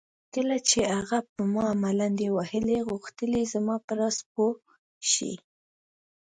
کله چې هغې پر ما ملنډې وهلې غوښتل یې زما په راز پوه شي.